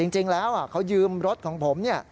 จริงแล้วเขายืมรถของผมเนี่ย